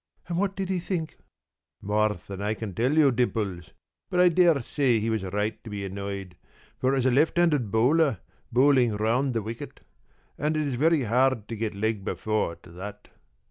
p> "And what did he think?" "More than I can tell you, Dimples. But I dare say he was right to be annoyed, for it was a left handed bowler, bowling round the wicket, and it is very hard to get leg before to that.